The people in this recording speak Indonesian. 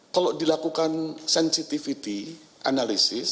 kalau dilakukan sensitivity analysis